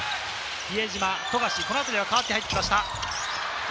比江島、富樫、このあたりが代わって入ってきました。